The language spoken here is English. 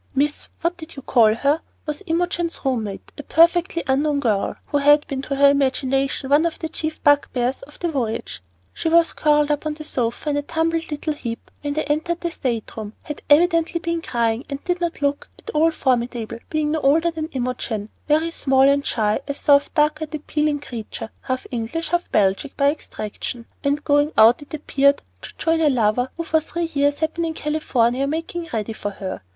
"Miss What d' you call her" was Imogen's room mate, a perfectly unknown girl, who had been to her imagination one of the chief bug bears of the voyage. She was curled up on the sofa in a tumbled little heap when they entered the stateroom, had evidently been crying, and did not look at all formidable, being no older than Imogen, very small and shy, a soft, dark eyed appealing creature, half English, half Belgic by extraction, and going out, it appeared, to join a lover who for three years had been in California making ready for her.